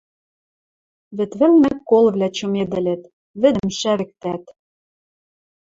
Вӹд вӹлнӹ колвлӓ чымедӹлӹт, вӹдӹм шӓвӹктӓт.